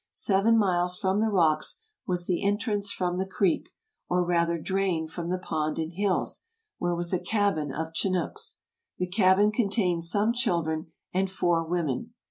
Seven miles from the rocks was the entrance from the creek, or rather drain from the pond and hills, where was a cabin of Chinnooks. The cabin contained some children and four women.